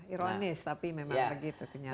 ironis tapi memang begitu kenyata